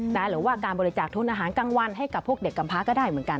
หรือว่าการบริจาคทุนอาหารกลางวันให้กับพวกเด็กกำพาก็ได้เหมือนกัน